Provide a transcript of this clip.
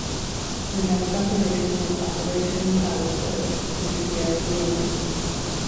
Their next operation was Operation Palliser in Sierra Leone.